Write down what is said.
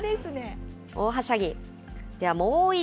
大はしゃぎ。